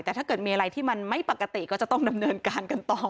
แต่ถ้าเกิดมีอะไรที่มันไม่ปกติก็จะต้องดำเนินการกันต่อ